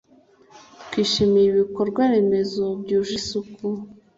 twishimiye ibikorwaremezo byuje isuku